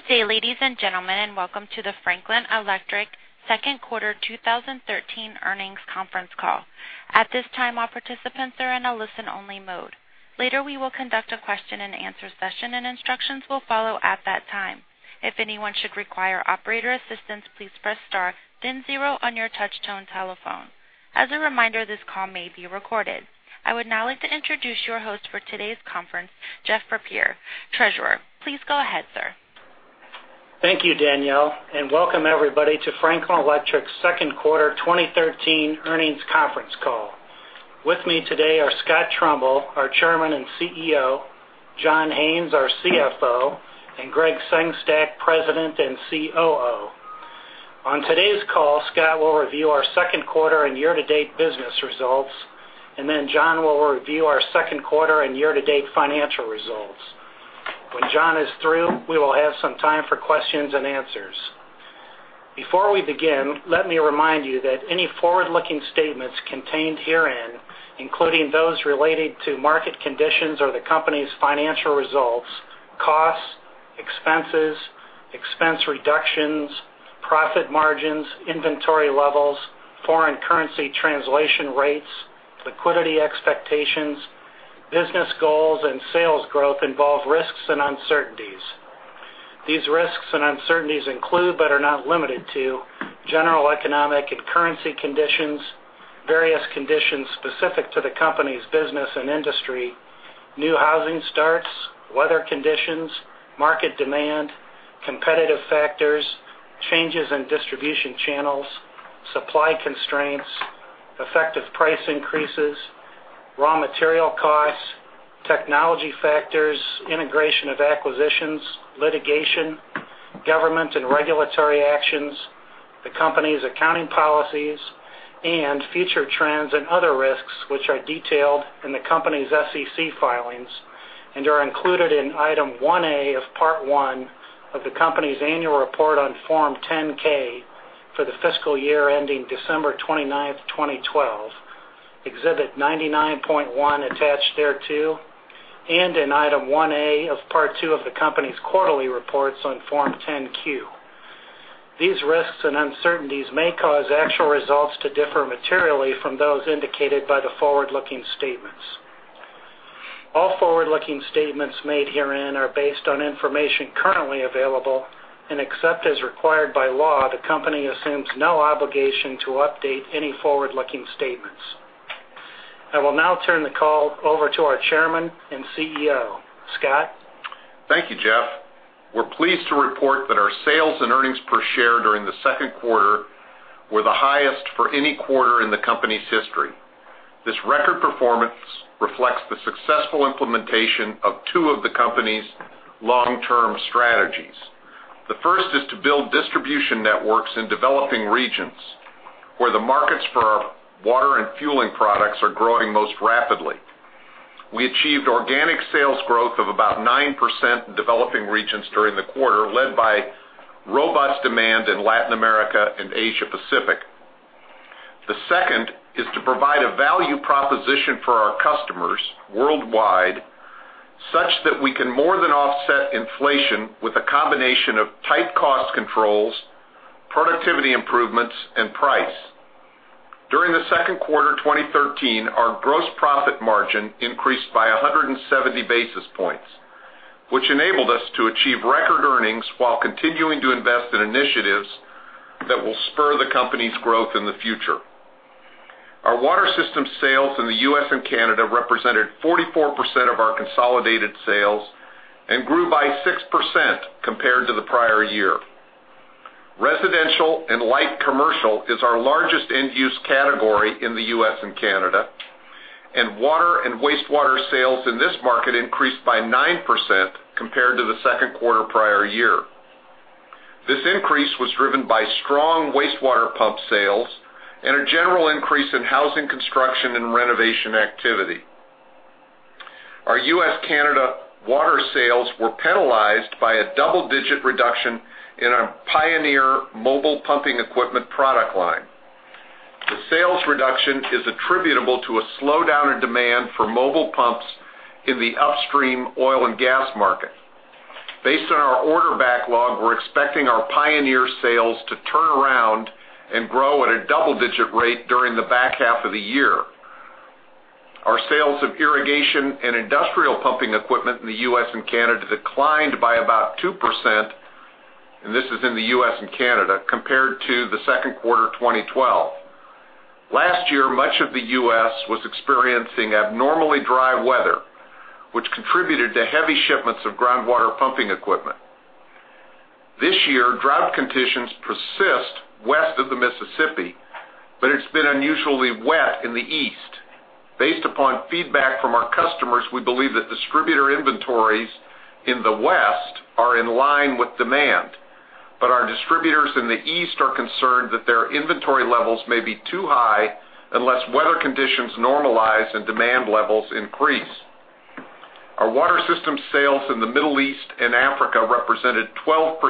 Good day, ladies and gentlemen, and welcome to the Franklin Electric Second Quarter 2013 Earnings Conference Call. At this time, all participants are in a listen-only mode. Later, we will conduct a question-and-answer session, and instructions will follow at that time. If anyone should require operator assistance, please press star, then zero on your touch-tone telephone. As a reminder, this call may be recorded. I would now like to introduce your host for today's conference, Jeff Ruzynski, Treasurer. Please go ahead, sir. Thank you, Danielle, and welcome everybody to Franklin Electric Second Quarter 2013 Earnings Conference Call. With me today are Scott Trumbull, our Chairman and CEO; John Haines, our CFO; and Gregg Sengstack, President and COO. On today's call, Scott will review our second quarter and year-to-date business results, and then John will review our second quarter and year-to-date financial results. When John is through, we will have some time for questions and answers. Before we begin, let me remind you that any forward-looking statements contained herein, including those related to market conditions or the company's financial results, costs, expenses, expense reductions, profit margins, inventory levels, foreign currency translation rates, liquidity expectations, business goals, and sales growth, involve risks and uncertainties. These risks and uncertainties include, but are not limited to, general economic and currency conditions, various conditions specific to the company's business and industry, new housing starts, weather conditions, market demand, competitive factors, changes in distribution channels, supply constraints, effective price increases, raw material costs, technology factors, integration of acquisitions, litigation, government and regulatory actions, the company's accounting policies, and future trends and other risks, which are detailed in the company's SEC filings and are included in Item 1A of Part I of the company's annual report on Form 10-K for the fiscal year ending December 29th, 2012, Exhibit 99.1 attached thereto, and in Item 1A of Part II of the company's quarterly reports on Form 10-Q. These risks and uncertainties may cause actual results to differ materially from those indicated by the forward-looking statements. All forward-looking statements made herein are based on information currently available, and except as required by law, the company assumes no obligation to update any forward-looking statements. I will now turn the call over to our Chairman and CEO. Scott? Thank you, Jeff. We're pleased to report that our sales and earnings per share during the second quarter were the highest for any quarter in the company's history. This record performance reflects the successful implementation of two of the company's long-term strategies. The first is to build distribution networks in developing regions, where the markets for our water and fueling products are growing most rapidly. We achieved organic sales growth of about 9% in developing regions during the quarter, led by robust demand in Latin America and Asia-Pacific. The second is to provide a value proposition for our customers worldwide, such that we can more than offset inflation with a combination of tight cost controls, productivity improvements, and price. During the second quarter 2013, our gross profit margin increased by 170 basis points, which enabled us to achieve record earnings while continuing to invest in initiatives that will spur the company's growth in the future. Our water systems sales in the U.S. and Canada represented 44% of our consolidated sales and grew by 6% compared to the prior year. Residential and light commercial is our largest end-use category in the U.S. and Canada, and water and wastewater sales in this market increased by 9% compared to the second quarter prior year. This increase was driven by strong wastewater pump sales and a general increase in housing construction and renovation activity. Our U.S.-Canada water sales were penalized by a double-digit reduction in our Pioneer mobile pumping equipment product line. The sales reduction is attributable to a slowdown in demand for mobile pumps in the upstream oil and gas market. Based on our order backlog, we're expecting our Pioneer sales to turn around and grow at a double-digit rate during the back half of the year. Our sales of irrigation and industrial pumping equipment in the U.S. and Canada declined by about 2%, and this is in the U.S. and Canada, compared to the second quarter 2012. Last year, much of the U.S. was experiencing abnormally dry weather, which contributed to heavy shipments of groundwater pumping equipment. This year, drought conditions persist west of the Mississippi, but it's been unusually wet in the east. Based upon feedback from our customers, we believe that distributor inventories in the west are in line with demand, but our distributors in the east are concerned that their inventory levels may be too high unless weather conditions normalize and demand levels increase. Our water systems sales in the Middle East and Africa represented 12%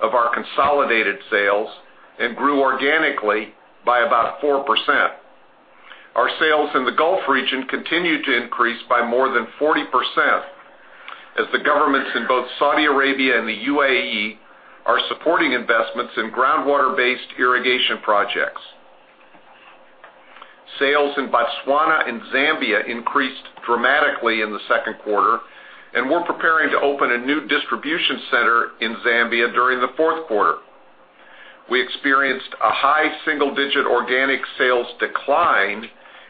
of our consolidated sales and grew organically by about 4%. Our sales in the Gulf region continued to increase by more than 40%, as the governments in both Saudi Arabia and the U.A.E. are supporting investments in groundwater-based irrigation projects. Sales in Botswana and Zambia increased dramatically in the second quarter, and we're preparing to open a new distribution center in Zambia during the fourth quarter. We experienced a high single-digit organic sales decline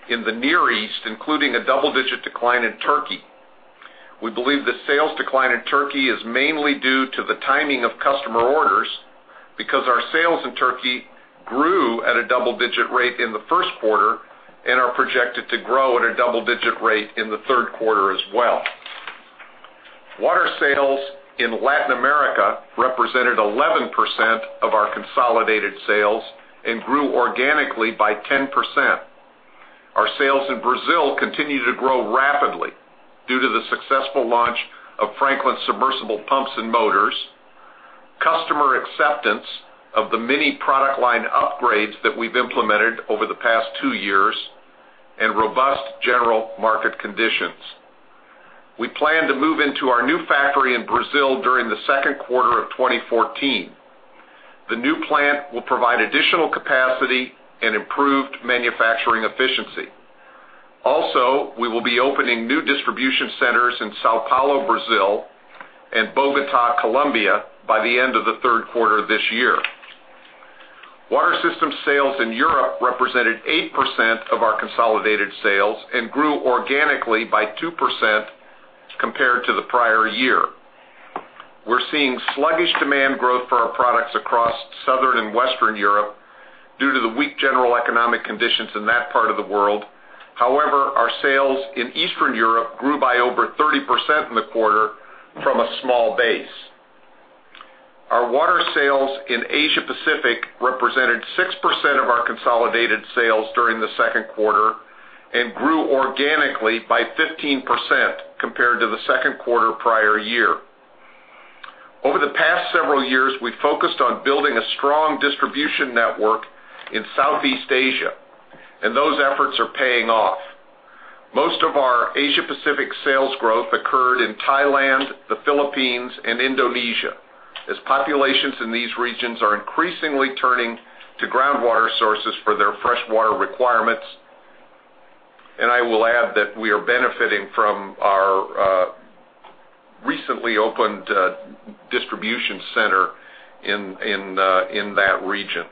in the Near East, including a double-digit decline in Turkey. We believe the sales decline in Turkey is mainly due to the timing of customer orders because our sales in Turkey grew at a double-digit rate in the first quarter and are projected to grow at a double-digit rate in the third quarter as well. Water sales in Latin America represented 11% of our consolidated sales and grew organically by 10%. Our sales in Brazil continued to grow rapidly due to the successful launch of Franklin submersible pumps and motors, customer acceptance of the many product line upgrades that we've implemented over the past two years, and robust general market conditions. We plan to move into our new factory in Brazil during the second quarter of 2014. The new plant will provide additional capacity and improved manufacturing efficiency. Also, we will be opening new distribution centers in São Paulo, Brazil, and Bogotá, Colombia, by the end of the third quarter this year. Water systems sales in Europe represented 8% of our consolidated sales and grew organically by 2% compared to the prior year. We're seeing sluggish demand growth for our products across Southern and Western Europe due to the weak general economic conditions in that part of the world. However, our sales in Eastern Europe grew by over 30% in the quarter from a small base. Our water sales in Asia-Pacific represented 6% of our consolidated sales during the second quarter and grew organically by 15% compared to the second quarter prior year. Over the past several years, we've focused on building a strong distribution network in Southeast Asia, and those efforts are paying off. Most of our Asia-Pacific sales growth occurred in Thailand, the Philippines, and Indonesia, as populations in these regions are increasingly turning to groundwater sources for their freshwater requirements, and I will add that we are benefiting from our recently opened distribution center in that region.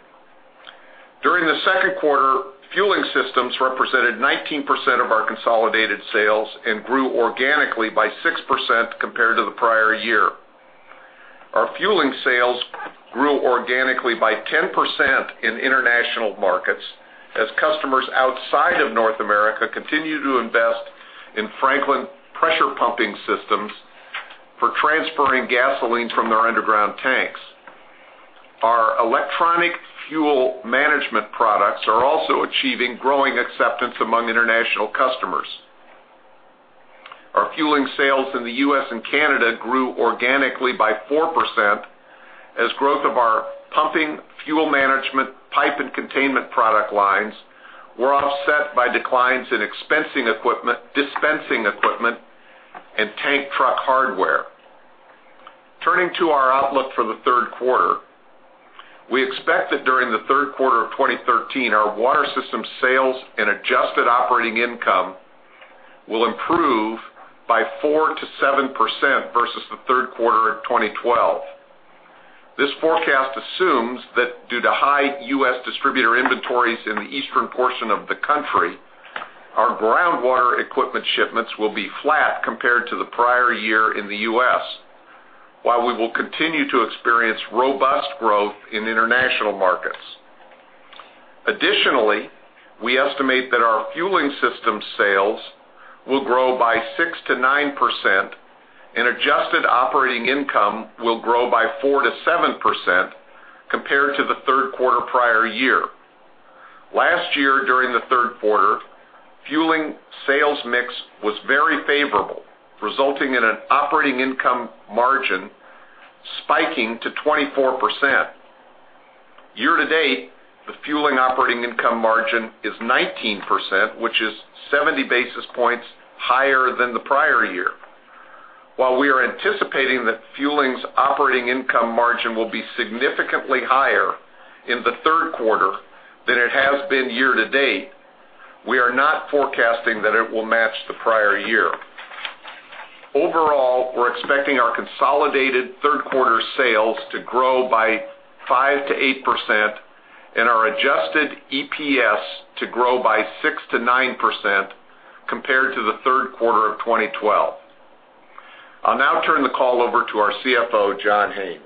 During the second quarter, fueling systems represented 19% of our consolidated sales and grew organically by 6% compared to the prior year. Our fueling sales grew organically by 10% in international markets, as customers outside of North America continue to invest in Franklin pressure pumping systems for transferring gasoline from their underground tanks. Our electronic fuel management products are also achieving growing acceptance among international customers. Our fueling sales in the U.S. and Canada grew organically by 4%, as growth of our pumping, fuel management, pipe and containment product lines were offset by declines in dispensing equipment and tank truck hardware. Turning to our outlook for the third quarter, we expect that during the third quarter of 2013, our water systems sales and adjusted operating income will improve by 4%-7% versus the third quarter of 2012. This forecast assumes that due to high U.S. Distributor inventories in the eastern portion of the country, our groundwater equipment shipments will be flat compared to the prior year in the U.S., while we will continue to experience robust growth in international markets. Additionally, we estimate that our fueling systems sales will grow by 6%-9%, and adjusted operating income will grow by 4%-7% compared to the third quarter prior year. Last year, during the third quarter, fueling sales mix was very favorable, resulting in an operating income margin spiking to 24%. Year-to-date, the fueling operating income margin is 19%, which is 70 basis points higher than the prior year. While we are anticipating that fueling's operating income margin will be significantly higher in the third quarter than it has been year-to-date, we are not forecasting that it will match the prior year. Overall, we're expecting our consolidated third quarter sales to grow by 5%-8%, and our adjusted EPS to grow by 6%-9% compared to the third quarter of 2012. I'll now turn the call over to our CFO, John Haines.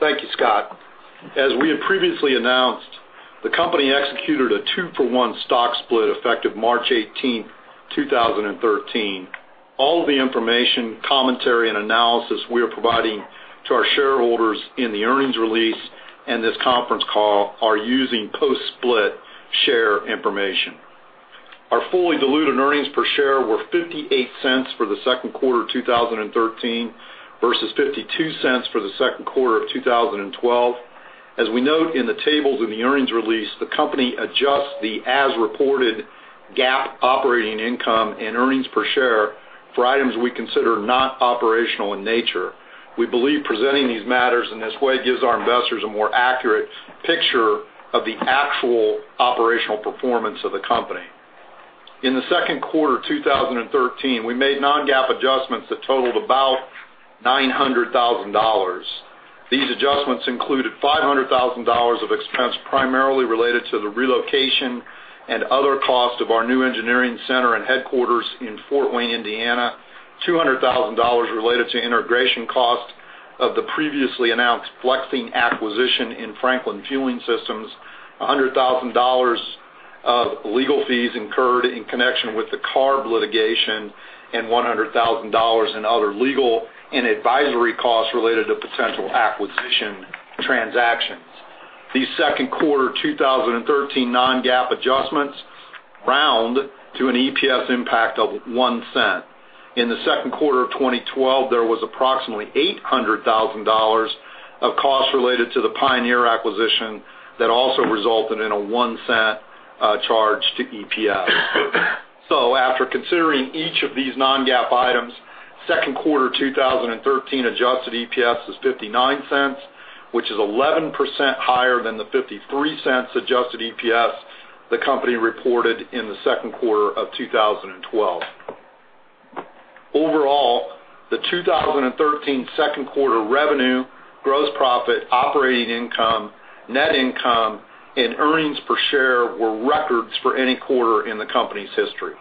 Thank you, Scott. As we had previously announced, the company executed a two-for-one stock split effective March 18th, 2013. All of the information, commentary, and analysis we are providing to our shareholders in the earnings release and this conference call are using post-split share information. Our fully diluted earnings per share were $0.58 for the second quarter of 2013 versus $0.52 for the second quarter of 2012. As we note in the tables in the earnings release, the company adjusts the as-reported GAAP operating income and earnings per share for items we consider not operational in nature. We believe presenting these matters in this way gives our investors a more accurate picture of the actual operational performance of the company. In the second quarter of 2013, we made non-GAAP adjustments that totaled about $900,000. These adjustments included $500,000 of expense primarily related to the relocation and other costs of our new engineering center and headquarters in Fort Wayne, Indiana, $200,000 related to integration costs of the previously announced FLEX-ING acquisition in Franklin Fueling Systems, $100,000 of legal fees incurred in connection with the CARB litigation, and $100,000 in other legal and advisory costs related to potential acquisition transactions. These second quarter 2013 non-GAAP adjustments round to an EPS impact of $0.01. In the second quarter of 2012, there was approximately $800,000 of costs related to the Pioneer acquisition that also resulted in a $0.01 charge to EPS. So, after considering each of these non-GAAP items, second quarter 2013 adjusted EPS is $0.59, which is 11% higher than the $0.53 adjusted EPS the company reported in the second quarter of 2012. Overall, the 2013 second quarter revenue, gross profit, operating income, net income, and earnings per share were records for any quarter in the company's history.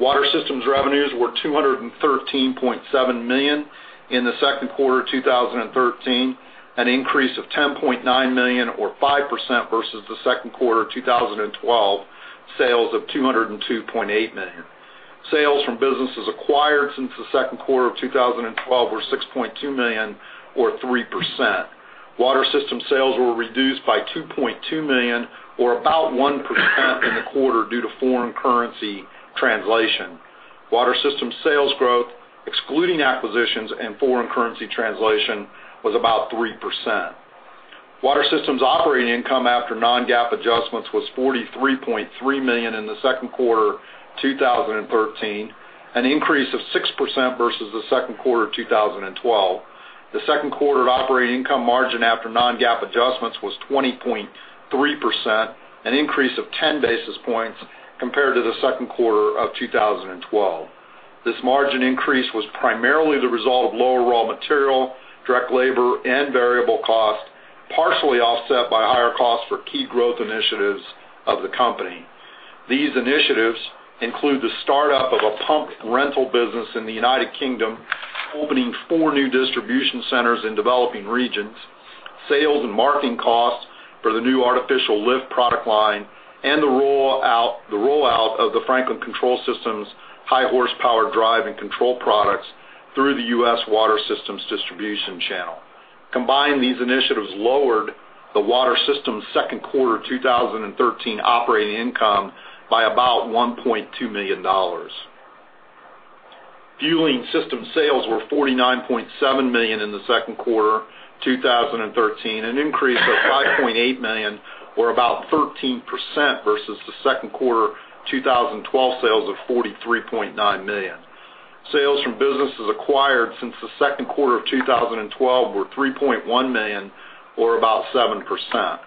Water Systems revenues were $213.7 million in the second quarter of 2013, an increase of $10.9 million or 5% versus the second quarter of 2012 sales of $202.8 million. Sales from businesses acquired since the second quarter of 2012 were $6.2 million or 3%. Water Systems sales were reduced by $2.2 million or about 1% in the quarter due to foreign currency translation. Water Systems sales growth, excluding acquisitions and foreign currency translation, was about 3%. Water Systems operating income after non-GAAP adjustments was $43.3 million in the second quarter of 2013, an increase of 6% versus the second quarter of 2012. The second quarter operating income margin after non-GAAP adjustments was 20.3%, an increase of 10 basis points compared to the second quarter of 2012. This margin increase was primarily the result of lower raw material, direct labor, and variable costs, partially offset by higher costs for key growth initiatives of the company. These initiatives include the startup of a pump rental business in the United Kingdom, opening four new distribution centers in developing regions, sales and marketing costs for the new artificial lift product line, and the rollout of the Franklin Control Systems high-horsepower drive and control products through the U.S. water systems distribution channel. Combined, these initiatives lowered the water systems second quarter 2013 operating income by about $1.2 million. Fueling systems sales were $49.7 million in the second quarter of 2013, an increase of $5.8 million or about 13% versus the second quarter of 2012 sales of $43.9 million. Sales from businesses acquired since the second quarter of 2012 were $3.1 million or about 7%.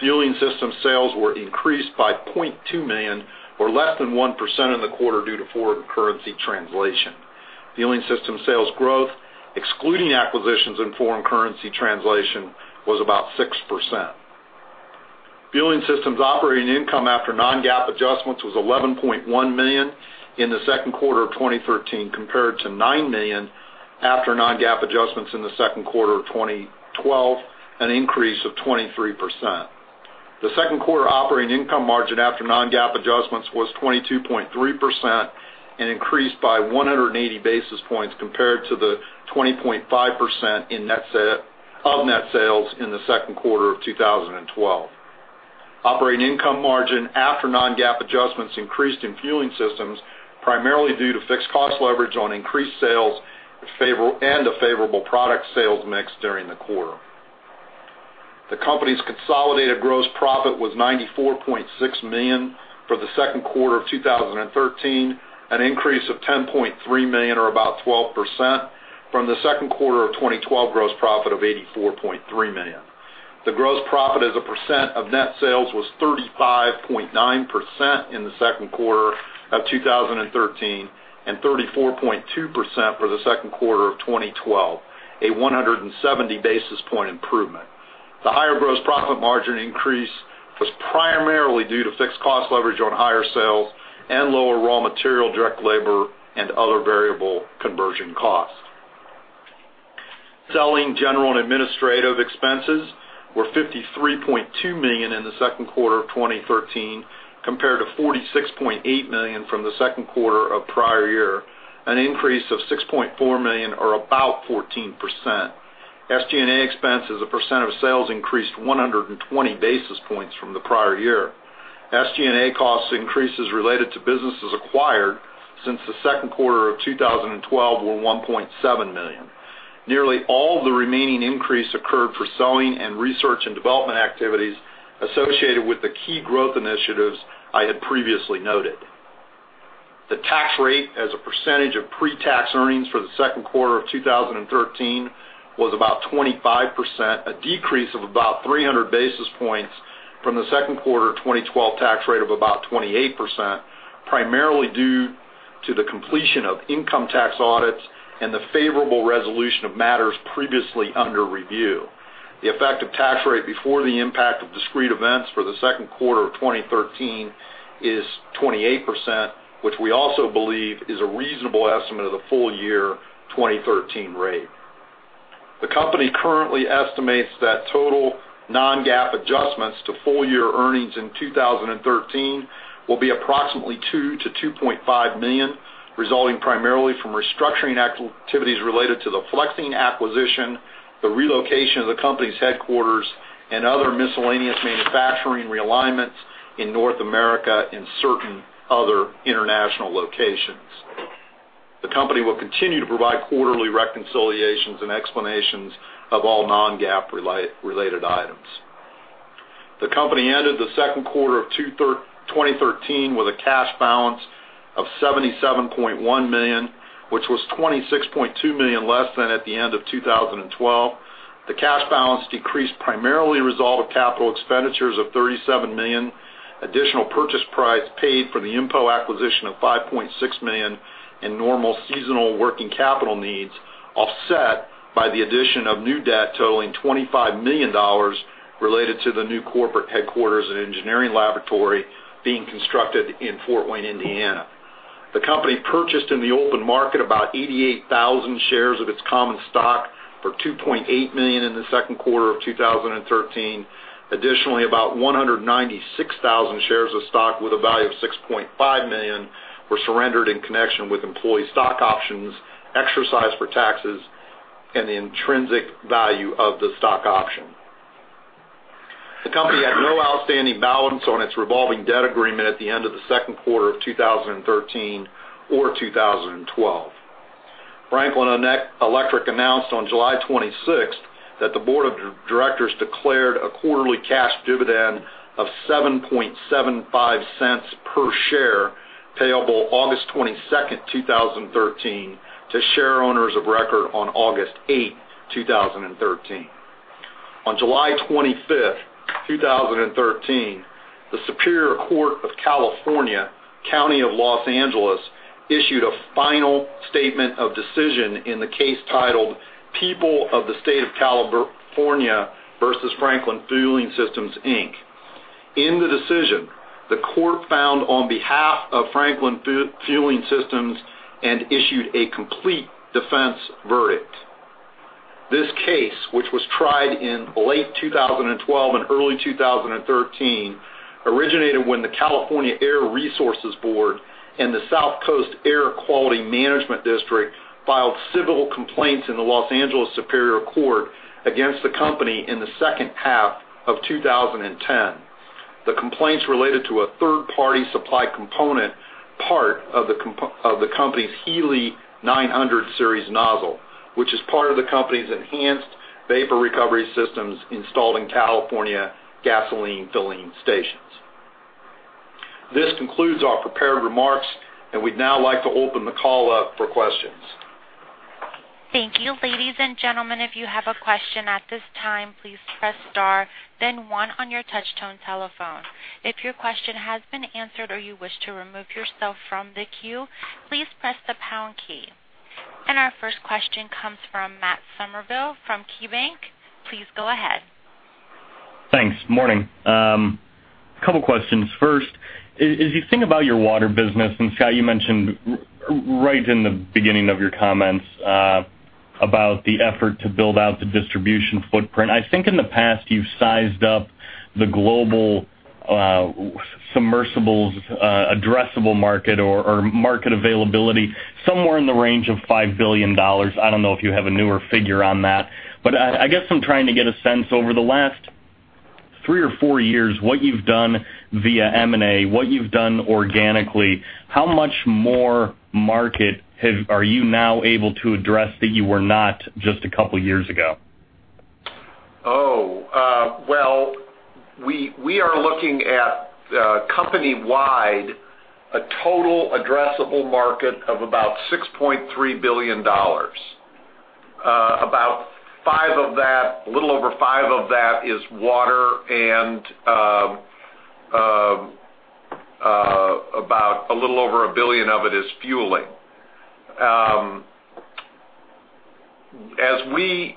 Fueling systems sales were increased by $0.2 million or less than 1% in the quarter due to foreign currency translation. Fueling systems sales growth, excluding acquisitions and foreign currency translation, was about 6%. Fueling systems operating income after non-GAAP adjustments was $11.1 million in the second quarter of 2013 compared to $9 million after non-GAAP adjustments in the second quarter of 2012, an increase of 23%. The second quarter operating income margin after non-GAAP adjustments was 22.3% and increased by 180 basis points compared to the 20.5% of net sales in the second quarter of 2012. Operating income margin after non-GAAP adjustments increased in fueling systems primarily due to fixed cost leverage on increased sales and a favorable product sales mix during the quarter. The company's consolidated gross profit was $94.6 million for the second quarter of 2013, an increase of $10.3 million or about 12% from the second quarter of 2012 gross profit of $84.3 million. The gross profit as a percent of net sales was 35.9% in the second quarter of 2013 and 34.2% for the second quarter of 2012, a 170 basis point improvement. The higher gross profit margin increase was primarily due to fixed cost leverage on higher sales and lower raw material, direct labor, and other variable conversion costs. Selling general and administrative expenses were $53.2 million in the second quarter of 2013 compared to $46.8 million from the second quarter of prior year, an increase of $6.4 million or about 14%. SG&A expenses as a percent of sales increased 120 basis points from the prior year. SG&A cost increases related to businesses acquired since the second quarter of 2012 were $1.7 million. Nearly all of the remaining increase occurred for selling and research and development activities associated with the key growth initiatives I had previously noted. The tax rate as a percentage of pre-tax earnings for the second quarter of 2013 was about 25%, a decrease of about 300 basis points from the second quarter 2012 tax rate of about 28%, primarily due to the completion of income tax audits and the favorable resolution of matters previously under review. The effective tax rate before the impact of discrete events for the second quarter of 2013 is 28%, which we also believe is a reasonable estimate of the full year 2013 rate. The company currently estimates that total non-GAAP adjustments to full year earnings in 2013 will be approximately $2-$2.5 million, resulting primarily from restructuring activities related to the FLEX-ING acquisition, the relocation of the company's headquarters, and other miscellaneous manufacturing realignments in North America and certain other international locations. The company will continue to provide quarterly reconciliations and explanations of all non-GAAP related items. The company ended the second quarter of 2013 with a cash balance of $77.1 million, which was $26.2 million less than at the end of 2012. The cash balance decreased primarily as a result of capital expenditures of $37 million, additional purchase price paid for the IMPO acquisition of $5.6 million, and normal seasonal working capital needs offset by the addition of new debt totaling $25 million related to the new corporate headquarters and engineering laboratory being constructed in Fort Wayne, Indiana. The company purchased in the open market about 88,000 shares of its common stock for $2.8 million in the second quarter of 2013. Additionally, about 196,000 shares of stock with a value of $6.5 million were surrendered in connection with employee stock options exercised for taxes and the intrinsic value of the stock option. The company had no outstanding balance on its revolving debt agreement at the end of the second quarter of 2013 or 2012. Franklin Electric announced on July 26th that the board of directors declared a quarterly cash dividend of $0.775 per share payable August 22nd, 2013, to shareholders of record on August 8, 2013. On July 25th, 2013, the Superior Court of California, County of Los Angeles, issued a final statement of decision in the case titled People of the State of California v. Franklin Fueling Systems, Inc. In the decision, the court found on behalf of Franklin Fueling Systems and issued a complete defense verdict. This case, which was tried in late 2012 and early 2013, originated when the California Air Resources Board and the South Coast Air Quality Management District filed civil complaints in the Los Angeles Superior Court against the company in the second half of 2010. The complaints related to a third-party supply component part of the company's Healy 900 series nozzle, which is part of the company's enhanced vapor recovery systems installed in California gasoline filling stations. This concludes our prepared remarks, and we'd now like to open the call up for questions. Thank you. Ladies and gentlemen, if you have a question at this time, please press star, then one on your touch-tone telephone. If your question has been answered or you wish to remove yourself from the queue, please press the pound key. And our first question comes from Matt Summerville from KeyBanc. Please go ahead. Thanks. Morning. A couple of questions. First, as you think about your water business and, Scott, you mentioned right in the beginning of your comments about the effort to build out the distribution footprint, I think in the past you've sized up the global submersibles addressable market or market availability somewhere in the range of $5 billion. I don't know if you have a newer figure on that. But I guess I'm trying to get a sense over the last three or four years what you've done via M&A, what you've done organically, how much more market are you now able to address that you were not just a couple of years ago? Oh. Well, we are looking at company-wide a total addressable market of about $6.3 billion. About $5 billion of that, a little over $5 billion of that is water, and about a little over $1 billion of it is fueling. As we've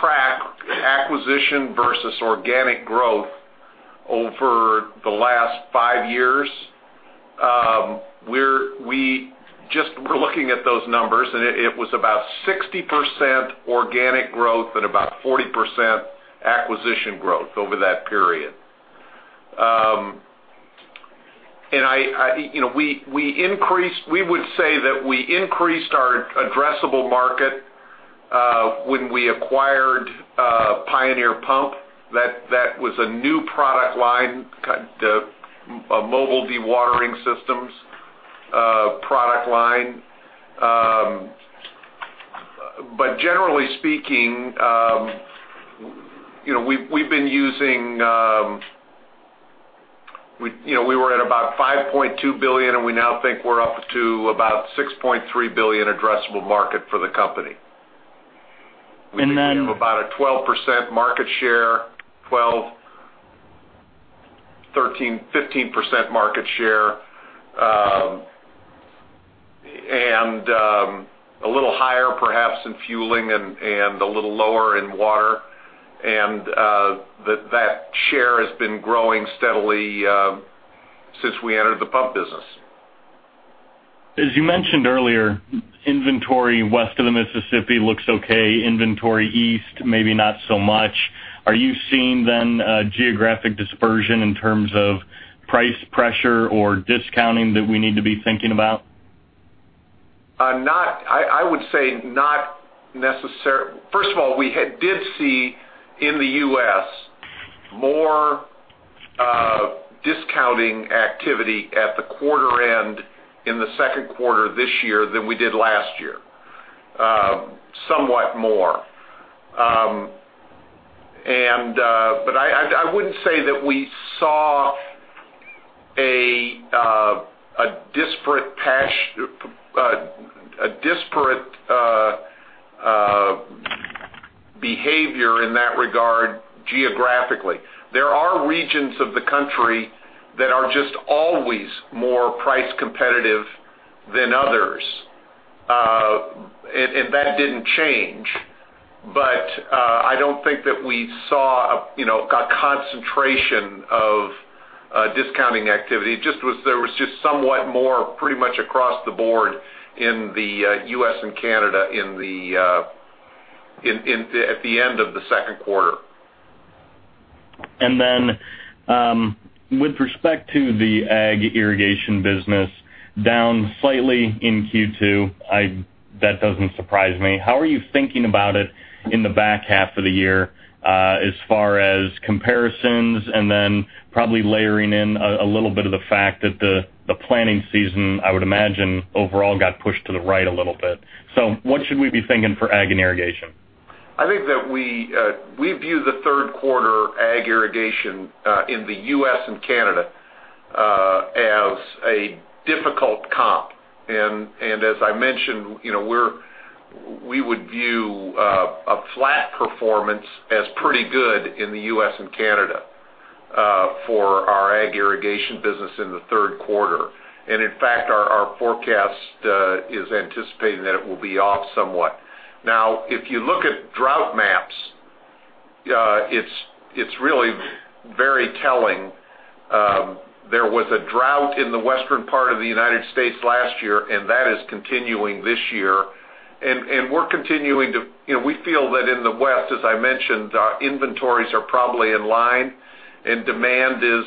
tracked acquisition versus organic growth over the last 5 years, we're looking at those numbers, and it was about 60% organic growth and about 40% acquisition growth over that period. And we would say that we increased our addressable market when we acquired Pioneer Pump. That was a new product line, a mobile dewatering systems product line. But generally speaking, we've been using we were at about $5.2 billion, and we now think we're up to about $6.3 billion addressable market for the company. We do have about a 12% market share, 13, 15% market share, and a little higher perhaps in fueling and a little lower in water. That share has been growing steadily since we entered the pump business. As you mentioned earlier, inventory west of the Mississippi looks okay. Inventory east, maybe not so much. Are you seeing then geographic dispersion in terms of price pressure or discounting that we need to be thinking about? I would say not necessarily. First of all, we did see in the U.S. more discounting activity at the quarter end in the second quarter this year than we did last year, somewhat more. But I wouldn't say that we saw a disparate behavior in that regard geographically. There are regions of the country that are just always more price competitive than others, and that didn't change. But I don't think that we saw a concentration of discounting activity. There was just somewhat more pretty much across the board in the U.S. and Canada at the end of the second quarter. And then with respect to the ag irrigation business, down slightly in Q2, that doesn't surprise me. How are you thinking about it in the back half of the year as far as comparisons and then probably layering in a little bit of the fact that the planting season, I would imagine, overall got pushed to the right a little bit? So what should we be thinking for ag and irrigation? I think that we view the third quarter ag irrigation in the U.S. and Canada as a difficult comp. As I mentioned, we would view a flat performance as pretty good in the U.S. and Canada for our ag irrigation business in the third quarter. In fact, our forecast is anticipating that it will be off somewhat. Now, if you look at drought maps, it's really very telling. There was a drought in the western part of the United States last year, and that is continuing this year. We're continuing. We feel that in the west, as I mentioned, inventories are probably in line, and demand is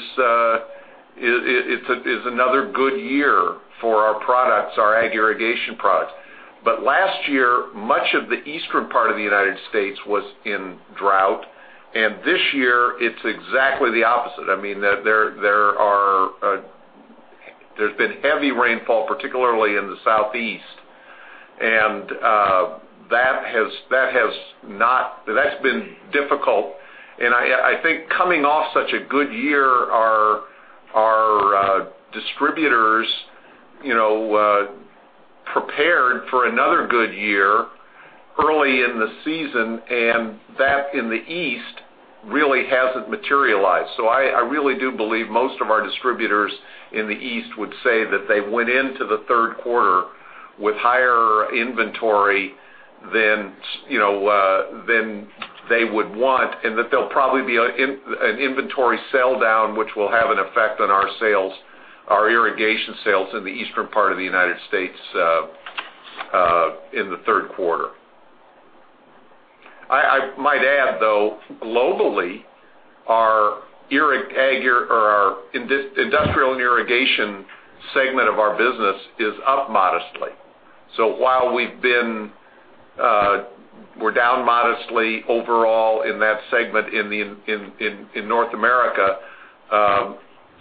another good year for our products, our ag irrigation products. But last year, much of the eastern part of the United States was in drought, and this year, it's exactly the opposite. I mean, there's been heavy rainfall, particularly in the southeast, and that has not. That's been difficult. I think coming off such a good year, our distributors prepared for another good year early in the season, and that in the east really hasn't materialized. So I really do believe most of our distributors in the east would say that they went into the third quarter with higher inventory than they would want and that there'll probably be an inventory sell down, which will have an effect on our sales, our irrigation sales in the eastern part of the United States in the third quarter. I might add, though, globally, our industrial and irrigation segment of our business is up modestly. So while we're down modestly overall in that segment in North America,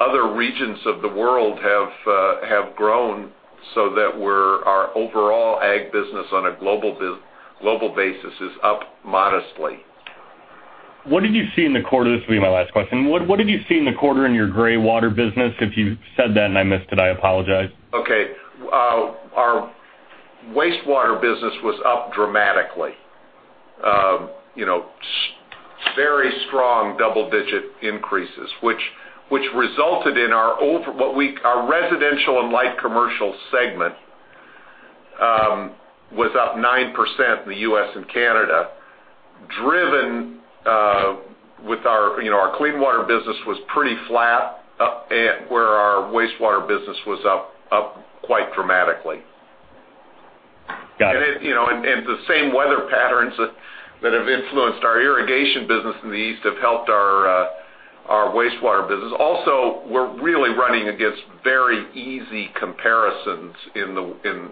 other regions of the world have grown so that our overall ag business on a global basis is up modestly. What did you see in the quarter? This will be my last question. What did you see in the quarter in your groundwater business? If you said that and I missed it, I apologize. Okay. Our wastewater business was up dramatically, very strong double-digit increases, which resulted in our residential and light commercial segment was up 9% in the U.S. and Canada, driven with our clean water business was pretty flat, where our wastewater business was up quite dramatically. Got it. The same weather patterns that have influenced our irrigation business in the east have helped our wastewater business. Also, we're really running against very easy comparisons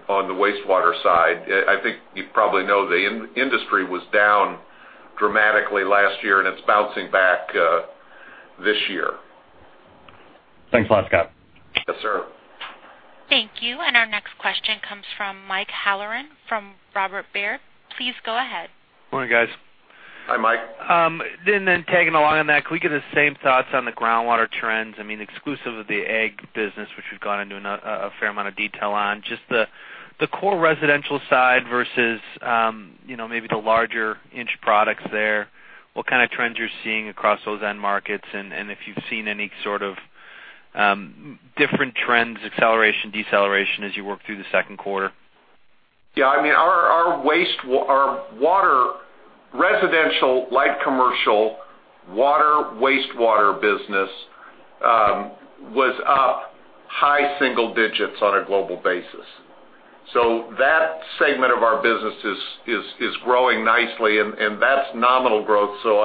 on the wastewater side. I think you probably know the industry was down dramatically last year, and it's bouncing back this year. Thanks a lot, Scott. Yes, sir. Thank you. Our next question comes from Mike Halloran from Robert Baird. Please go ahead. Morning, guys. Hi, Mike. And then tagging along on that, can we get the same thoughts on the groundwater trends? I mean, exclusive of the ag business, which we've gone into a fair amount of detail on, just the core residential side versus maybe the larger-inch products there, what kind of trends you're seeing across those end markets, and if you've seen any sort of different trends, acceleration, deceleration as you work through the second quarter? Yeah. I mean, our residential, light commercial water, wastewater business was up high single digits on a global basis. So that segment of our business is growing nicely, and that's nominal growth. So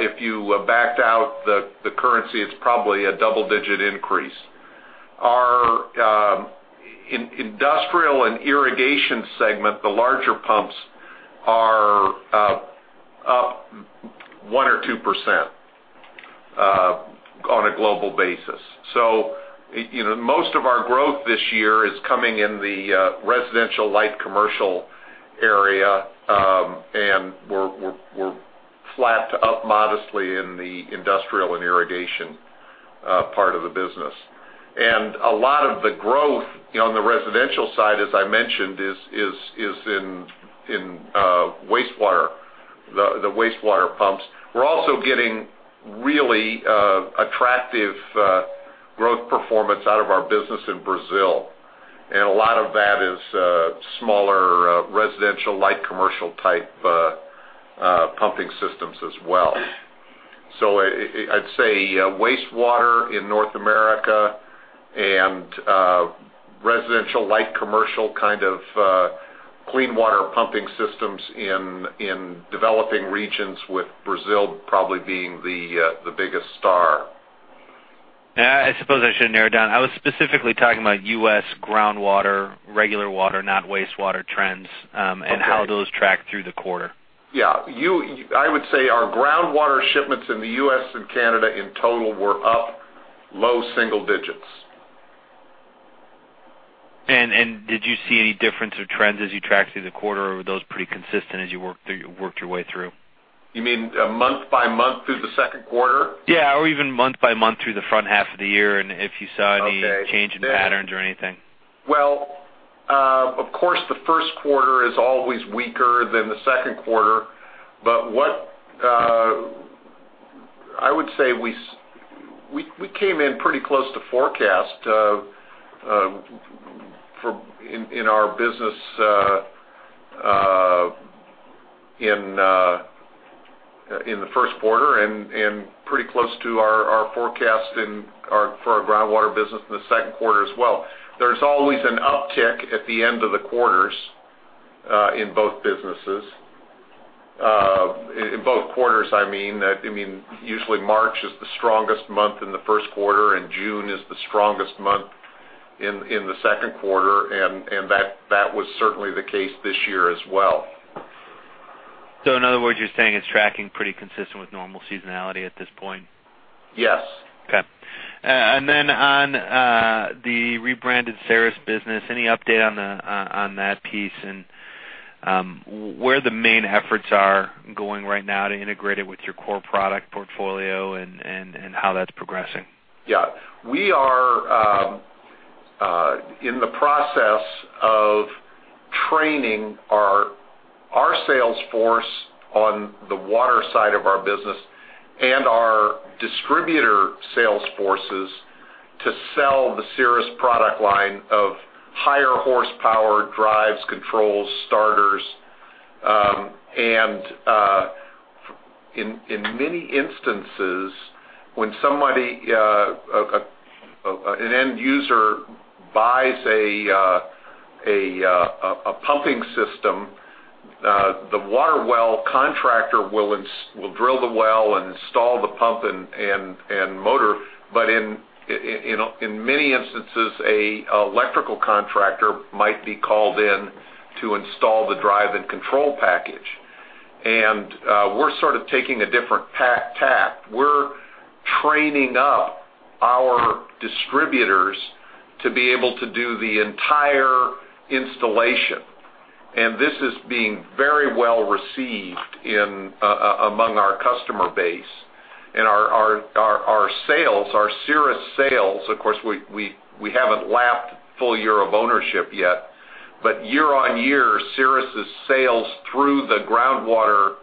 if you backed out the currency, it's probably a double-digit increase. Our industrial and irrigation segment, the larger pumps, are up 1%-2% on a global basis. So most of our growth this year is coming in the residential, light commercial area, and we're flat to up modestly in the industrial and irrigation part of the business. And a lot of the growth on the residential side, as I mentioned, is in wastewater, the wastewater pumps. We're also getting really attractive growth performance out of our business in Brazil, and a lot of that is smaller residential, light commercial type pumping systems as well. I'd say wastewater in North America and residential, light commercial kind of clean water pumping systems in developing regions with Brazil probably being the biggest star. I suppose I should narrow down. I was specifically talking about U.S. groundwater, regular water, not wastewater trends, and how those track through the quarter. Yeah. I would say our groundwater shipments in the U.S. and Canada in total were up low single digits. And did you see any difference or trends as you tracked through the quarter, or were those pretty consistent as you worked your way through? You mean month by month through the second quarter? Yeah, or even month by month through the front half of the year, and if you saw any change in patterns or anything? Well, of course, the first quarter is always weaker than the second quarter, but I would say we came in pretty close to forecast in our business in the first quarter and pretty close to our forecast for our groundwater business in the second quarter as well. There's always an uptick at the end of the quarters in both businesses. In both quarters, I mean. I mean, usually, March is the strongest month in the first quarter, and June is the strongest month in the second quarter, and that was certainly the case this year as well. In other words, you're saying it's tracking pretty consistent with normal seasonality at this point? Yes. Okay. On the rebranded Cerus business, any update on that piece and where the main efforts are going right now to integrate it with your core product portfolio and how that's progressing? Yeah. We are in the process of training our salesforce on the water side of our business and our distributor salesforces to sell the Cerus product line of higher horsepower drives, controls, starters. In many instances, when somebody, an end user, buys a pumping system, the water well contractor will drill the well and install the pump and motor. But in many instances, an electrical contractor might be called in to install the drive and control package. We're sort of taking a different tack. We're training up our distributors to be able to do the entire installation, and this is being very well received among our customer base. Our sales, our Cerus sales, of course, we haven't lapped full year of ownership yet, but year-on-year, Cerus' sales through the groundwater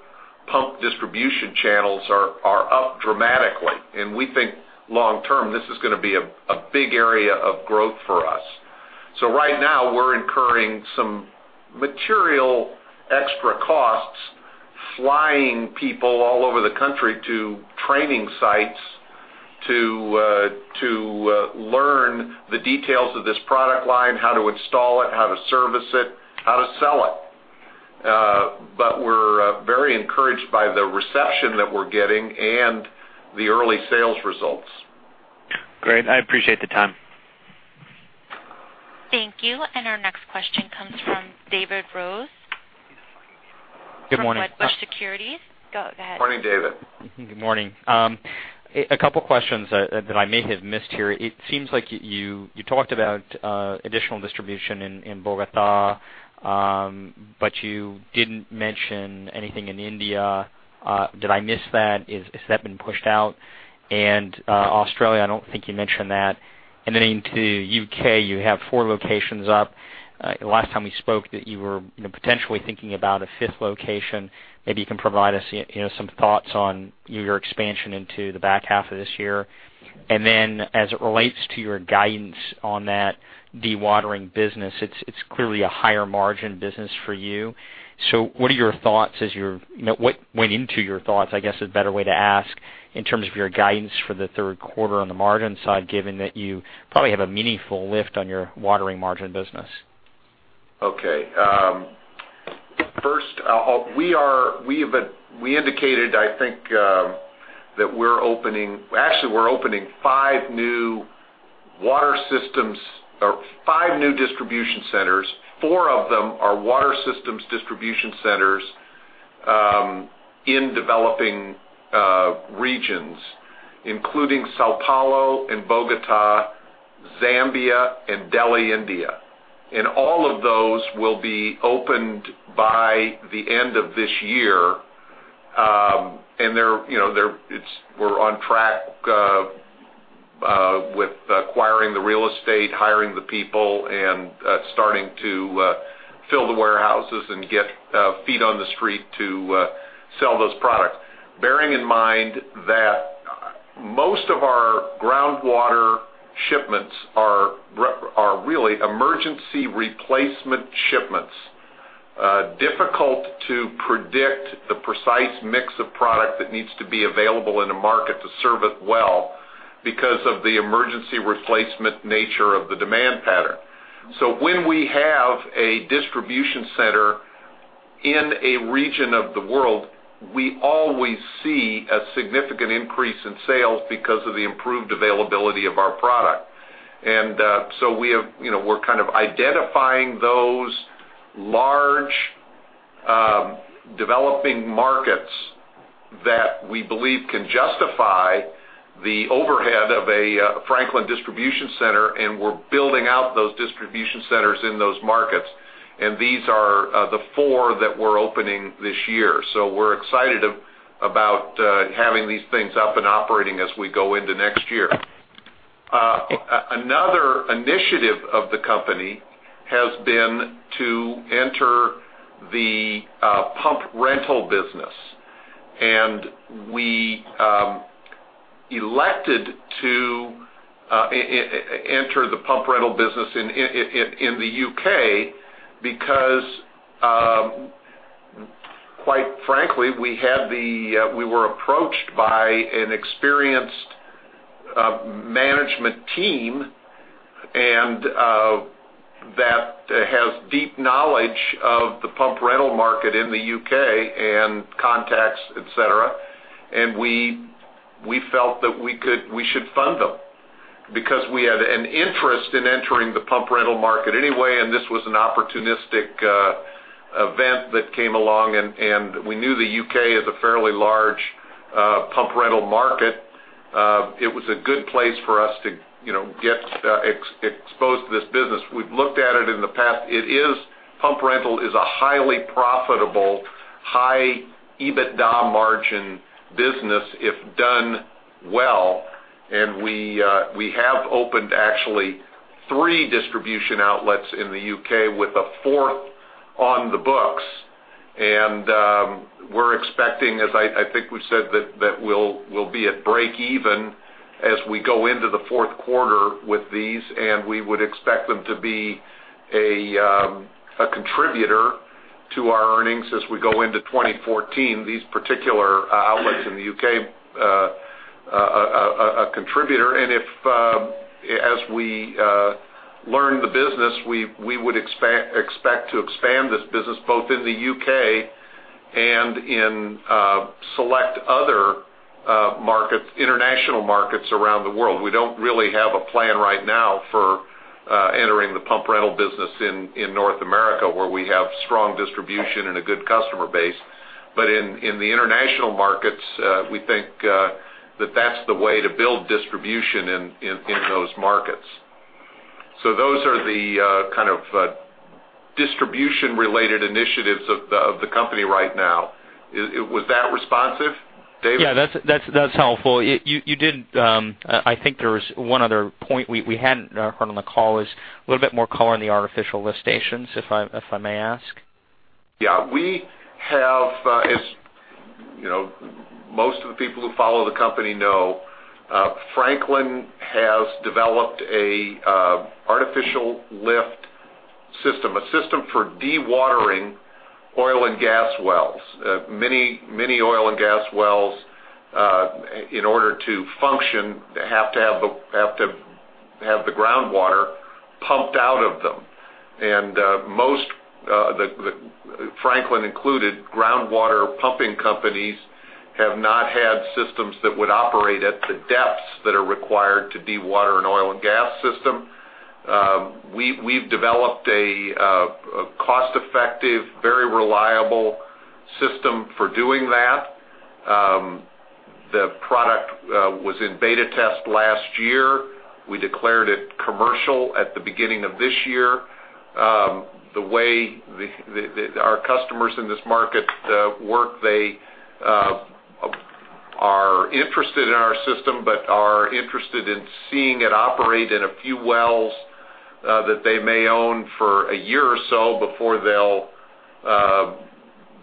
pump distribution channels are up dramatically. And we think long-term, this is going to be a big area of growth for us. So right now, we're incurring some material extra costs, flying people all over the country to training sites to learn the details of this product line, how to install it, how to service it, how to sell it. But we're very encouraged by the reception that we're getting and the early sales results. Great. I appreciate the time. Thank you. Our next question comes from David Rose. Good morning. From Wedbush Securities. Go ahead. Morning, David. Good morning. A couple of questions that I may have missed here. It seems like you talked about additional distribution in Bogotá, but you didn't mention anything in India. Did I miss that? Has that been pushed out? And Australia, I don't think you mentioned that. And then into the U.K., you have four locations up. Last time we spoke, you were potentially thinking about a fifth location. Maybe you can provide us some thoughts on your expansion into the back half of this year. And then as it relates to your guidance on that dewatering business, it's clearly a higher-margin business for you. So what are your thoughts as to what went into your thoughts, I guess, is a better way to ask, in terms of your guidance for the third quarter on the margin side, given that you probably have a meaningful lift on your dewatering margin business? Okay. First, we indicated, I think, that we're opening actually, we're opening five new water systems or five new distribution centers. Four of them are water systems distribution centers in developing regions, including São Paulo and Bogotá, Zambia, and Delhi, India. And all of those will be opened by the end of this year. And we're on track with acquiring the real estate, hiring the people, and starting to fill the warehouses and get feet on the street to sell those products, bearing in mind that most of our groundwater shipments are really emergency replacement shipments, difficult to predict the precise mix of product that needs to be available in a market to serve it well because of the emergency replacement nature of the demand pattern. When we have a distribution center in a region of the world, we always see a significant increase in sales because of the improved availability of our product. We're kind of identifying those large developing markets that we believe can justify the overhead of a Franklin Distribution Center, and we're building out those distribution centers in those markets. These are the four that we're opening this year. We're excited about having these things up and operating as we go into next year. Another initiative of the company has been to enter the pump rental business. We elected to enter the pump rental business in the U.K. because, quite frankly, we were approached by an experienced management team that has deep knowledge of the pump rental market in the U.K. and contacts, etc. We felt that we should fund them because we had an interest in entering the pump rental market anyway, and this was an opportunistic event that came along. We knew the U.K. is a fairly large pump rental market. It was a good place for us to get exposed to this business. We've looked at it in the past. Pump rental is a highly profitable, high EBITDA margin business if done well. We have opened, actually, three distribution outlets in the U.K. with a fourth on the books. We're expecting, as I think we've said, that we'll be at break-even as we go into the fourth quarter with these. We would expect them to be a contributor to our earnings as we go into 2014, these particular outlets in the U.K., a contributor. As we learn the business, we would expect to expand this business both in the U.K. and in select other markets, international markets around the world. We don't really have a plan right now for entering the pump rental business in North America, where we have strong distribution and a good customer base. But in the international markets, we think that that's the way to build distribution in those markets. So those are the kind of distribution-related initiatives of the company right now. Was that responsive, David? Yeah, that's helpful. I think there was one other point we hadn't heard on the call is a little bit more color in the artificial lift stations, if I may ask? Yeah. As most of the people who follow the company know, Franklin has developed an artificial lift system, a system for dewatering oil and gas wells. Many oil and gas wells, in order to function, have to have the groundwater pumped out of them. And most, Franklin included, groundwater pumping companies have not had systems that would operate at the depths that are required to dewater an oil and gas system. We've developed a cost-effective, very reliable system for doing that. The product was in beta test last year. We declared it commercial at the beginning of this year. The way our customers in this market work, they are interested in our system but are interested in seeing it operate in a few wells that they may own for a year or so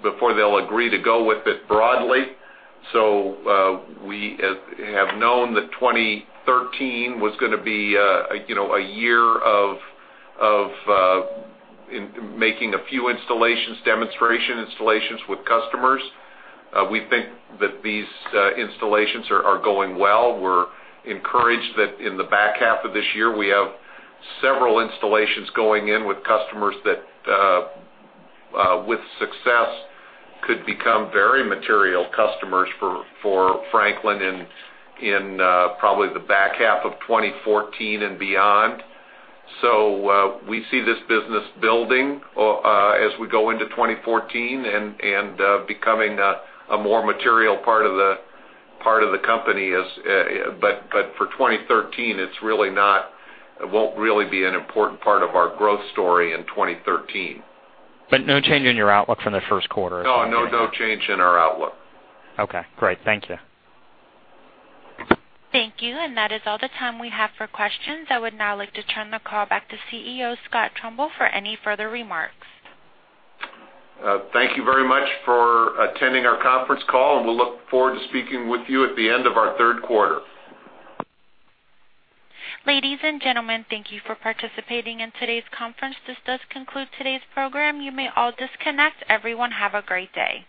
before they'll agree to go with it broadly. So we have known that 2013 was going to be a year of making a few installations, demonstration installations with customers. We think that these installations are going well. We're encouraged that in the back half of this year, we have several installations going in with customers that, with success, could become very material customers for Franklin in probably the back half of 2014 and beyond. So we see this business building as we go into 2014 and becoming a more material part of the company, but for 2013, it won't really be an important part of our growth story in 2013. No change in your outlook for the first quarter, as far as that goes? No, no change in our outlook. Okay. Great. Thank you. Thank you. That is all the time we have for questions. I would now like to turn the call back to CEO Scott Trumbull for any further remarks. Thank you very much for attending our conference call, and we'll look forward to speaking with you at the end of our third quarter. Ladies and gentlemen, thank you for participating in today's conference. This does conclude today's program. You may all disconnect. Everyone, have a great day.